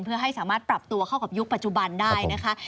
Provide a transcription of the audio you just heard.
เพื่อให้สามารถปรับตัวเข้ากับยุคปัจจุบันได้นะคะ